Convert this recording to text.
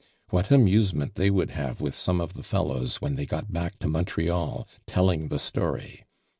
What amusement they would have with some of the fellows when they got back to Montreal, telling the story.